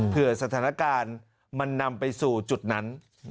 สถานการณ์มันนำไปสู่จุดนั้น